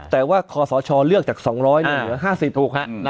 แต่ว่าขสชเลือกจาก๒๐๐นี่เหลือ๕๐